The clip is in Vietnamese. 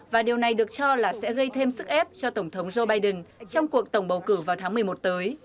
và điều này được cho là sẽ gây thêm sức ép cho tổng thống joe biden trong cuộc tổng bầu cử vào tháng một mươi một tới